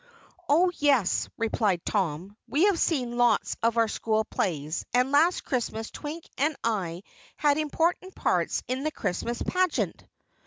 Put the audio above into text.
"Oh, yes," replied Tom, "we have seen lots of our school plays, and last Christmas Twink and I had important parts in the Christmas pageant."